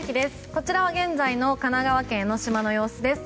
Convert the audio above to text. こちらは現在の神奈川県江の島の様子です。